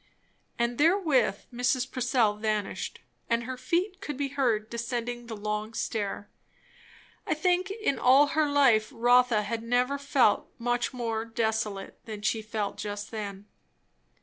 And therewith Mrs. Purcell vanished, and her feet could be heard descending the long stair. I think in all her life Rotha had never felt much more desolate than she felt just then.